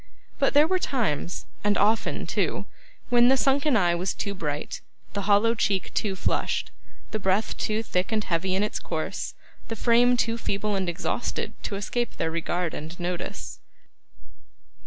But there were times, and often too, when the sunken eye was too bright, the hollow cheek too flushed, the breath too thick and heavy in its course, the frame too feeble and exhausted, to escape their regard and notice.